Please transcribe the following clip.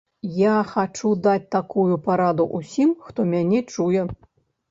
Я хачу даць такую параду ўсім, хто мяне чуе.